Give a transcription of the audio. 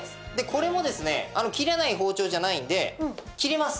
これもですね切れない包丁じゃないんで切れます。